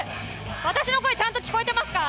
私の声、ちゃんと聞こえてますか？